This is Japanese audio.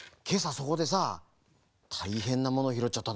そこでさたいへんなものひろっちゃったんだ。